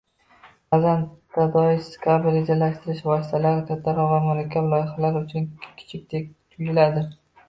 Ba’zan Todoist kabi rejalashtirish vositalari kattaroq va murakkab loyihalar uchun kichikdek tuyuladi